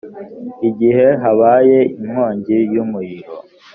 igihe habaye inkongi y’ umuriro